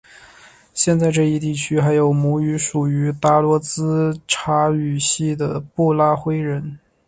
现在这一地区还有母语属于达罗毗荼语系的布拉灰人。